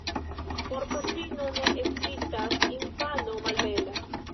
Por patrino ne ekzistas infano malbela.